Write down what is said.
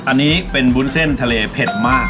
อันนี้เป็นวุ้นเส้นทะเลเผ็ดมาก